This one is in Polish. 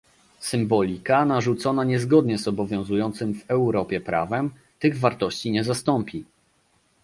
Symbolika narzucona niezgodnie z obowiązującym w Europie prawem tych wartości nie zastąpi